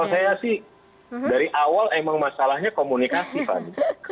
kalau saya sih dari awal emang masalahnya komunikasi fanny